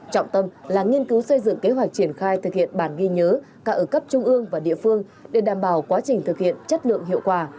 trọng tâm là nghiên cứu xây dựng kế hoạch triển khai thực hiện bản ghi nhớ cả ở cấp trung ương và địa phương để đảm bảo quá trình thực hiện chất lượng hiệu quả